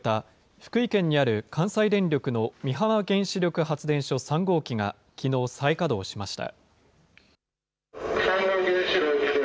福井県にある関西電力の美浜原子力発電所３号機がきのう再稼働しました。